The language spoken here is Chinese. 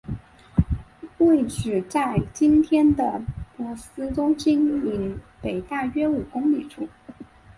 位置在今天的珀斯中心以北大约五公里处。